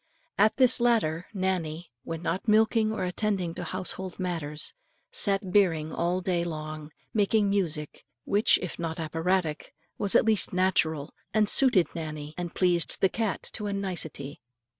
At this latter, Nannie, when not milking or attending to household matters, sat birring all day long, making music which, if not operatic, was at least natural, and suited Nannie and pleased the cat to a nicety.